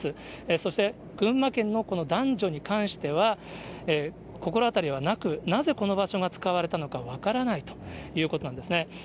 そして、群馬県のこの男女に関しては、心当たりはなく、なぜこの場所が使われたのか分からないということなんですね。